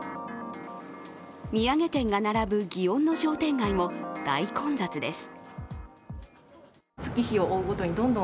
土産店が並ぶ祇園の商店街も大混雑です。